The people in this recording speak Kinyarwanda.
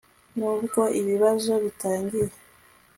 nibwo ibibazo bitangiye